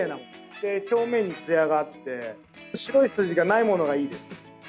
で、表面にツヤがあって白い筋がないものがいいです。